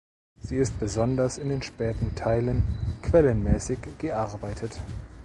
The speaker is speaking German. Sie ist besonders in den späteren Teilen quellenmäßig gearbeitet.